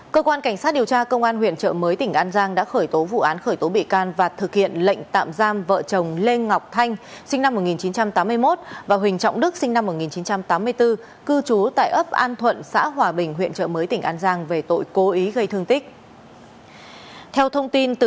cơ quan cảnh sát điều tra công an huyện trợ mới tỉnh an giang đã khởi tố vụ án khởi tố bị can và thực hiện lệnh tạm giam vợ chồng lê ngọc thanh sinh năm một nghìn chín trăm tám mươi một và huỳnh trọng đức sinh năm một nghìn chín trăm tám mươi bốn cư trú tại ấp an thuận xã hòa bình huyện trợ mới tỉnh an giang về tội cố ý gây thương tích